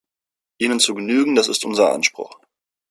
Ihnen zu genügen, das ist unser Anspruch.